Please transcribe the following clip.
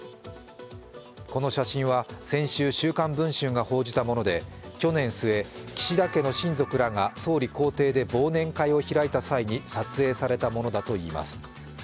この写真は先週、「週刊文春」が報じたもので去年末、岸田家の親族らが総理公邸で忘年会を開いた際に撮影されたものだといいます。